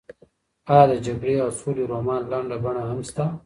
ایا د جګړې او سولې رومان لنډه بڼه هم شته؟